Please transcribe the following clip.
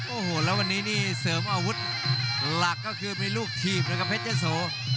โอ้โหแล้ววันนี้นี่เสริมอาวุธหลักก็คือมีลูกถีบเลยครับเพชรยะโส